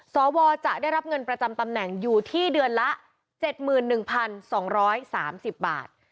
สวจะได้รับเงินประจำตำแหน่งอยู่ที่เดือนละ๗๑๒๓๐บาท